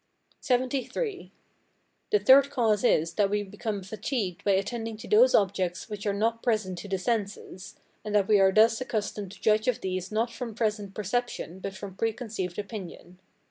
LXXIII. The third cause is, that we become fatigued by attending to those objects which are not present to the senses; and that we are thus accustomed to judge of these not from present perception but from pre conceived opinion.